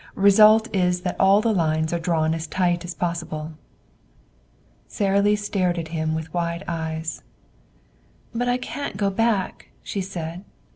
Result is that all the lines are drawn as tight as possible." Sara Lee stared at him with wide eyes. "But I can't go back," she said.